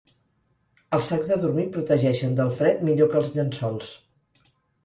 Els sacs de dormir protegeixen del fred millor que els llençols.